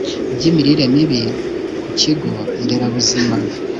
by'imirire mibi ku kigo nderabuzima